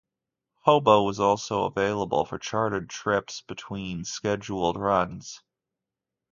Hobo was also available for chartered trips in between scheduled runs.